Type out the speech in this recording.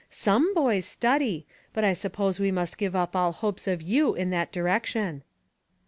Some boys study, but I suppose we must give up all hopes of you in that direction."